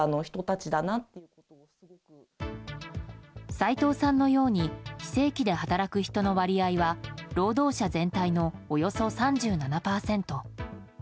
斉藤さんのように非正規で働く人の割合は労働者全体のおよそ３７％。